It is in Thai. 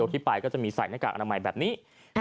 ที่ไปก็จะมีใส่หน้ากากอนามัยแบบนี้